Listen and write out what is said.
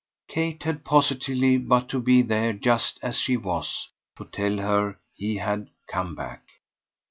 Kate had positively but to be there just as she was to tell her he had come back.